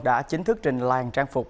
đã chính thức trình làng trang phục